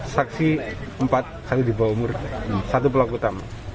saksi empat satu di bawah umur satu pelaku utama